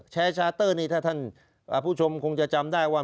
แชร์ชาเตอร์นี่ถ้าท่านผู้ชมคงจะจำได้ว่า